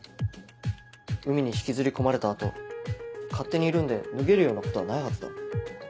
海に引きずり込まれた後勝手に緩んで脱げるようなことはないはずだ。